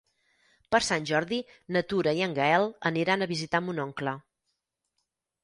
Per Sant Jordi na Tura i en Gaël aniran a visitar mon oncle.